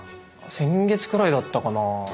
先月くらいだったかな。